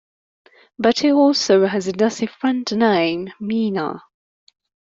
Beti also has a Desi friend named Meena.